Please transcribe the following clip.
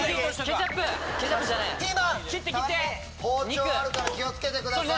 包丁あるから気を付けてください。